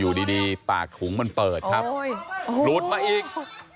อยู่ดีปากถุงมันเปิดครับหลุดมาอีก